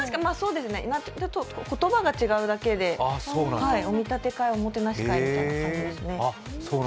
言葉が違うだけでお見立て会、おもてなし会みたいな感じですね。